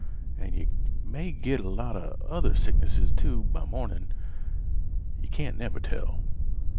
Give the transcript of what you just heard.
An' yeh may git a lot 'a other sicknesses, too, by mornin'. Yeh can't never tell.